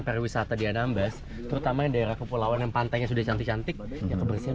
pariwisata di anambas terutama daerah kepulauan yang pantainya sudah cantik cantik yang kebersihan